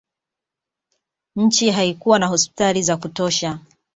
nchi haikuwa na hospitali za kutosha